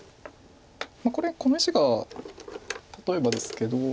これこの石が例えばですけど。